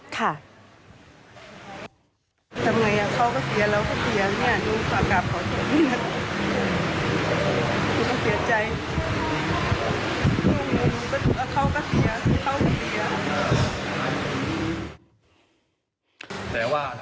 ค่ะ